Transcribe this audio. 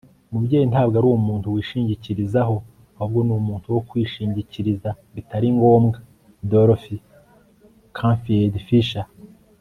umubyeyi ntabwo ari umuntu wishingikirizaho, ahubwo ni umuntu wo kwishingikiriza bitari ngombwa - dorothy canfield fisher